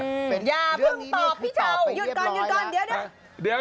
อย่าเพิ่งตอบพี่เฉาหยุดก่อนเดี๋ยว